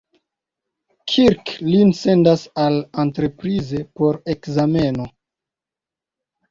Kirk lin sendas al la "Enterprise" por ekzameno.